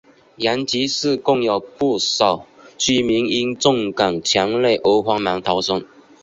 延吉市更有不少居民因震感强烈而慌忙逃生。